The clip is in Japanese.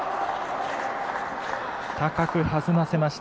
高く弾ませました。